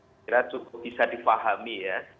saya kira cukup bisa difahami ya